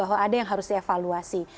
ada yang harus dievaluasi